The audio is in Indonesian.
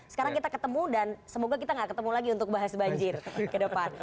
sekarang kita ketemu dan semoga kita gak ketemu lagi untuk bahas banjir ke depan